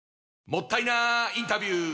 もったいなインタビュー！